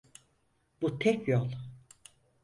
Bu tek yol.